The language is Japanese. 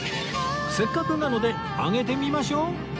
せっかくなのであげてみましょう